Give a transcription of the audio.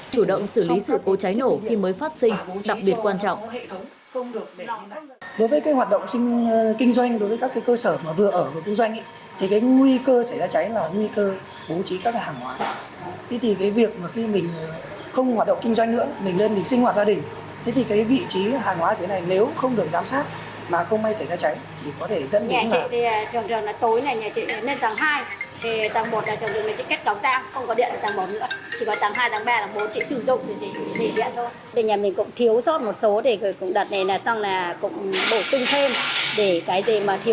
chủ động xử lý sự cố cháy nổ khi mới phát sinh đặc biệt quan trọng